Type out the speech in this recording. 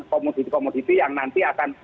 komoditi komoditi yang nanti akan